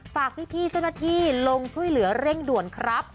ฝากพี่เจ้าหน้าที่ลงช่วยเหลือเร่งด่วนครับ